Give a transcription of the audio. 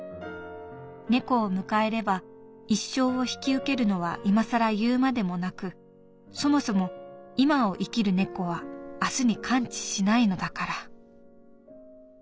猫を迎えれば一生を引き受けるのは今更言うまでもなくそもそも今を生きる猫は明日に関知しないのだから」。